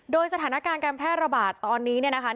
โดยสถานการณ์แพร่ระบาดตอนนี้นะครับ